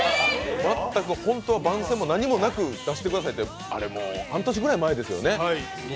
本当は番宣も何もなく出してくださいって、あれ半年ぐらい前ですよね。